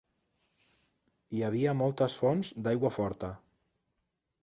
Hi havia moltes fonts d'aigua forta.